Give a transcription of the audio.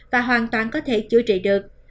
và hoàn toàn có thể chữa trị được